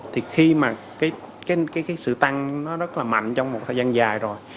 thì khi mà cái sự tăng nó rất là mạnh trong một thời gian dài rồi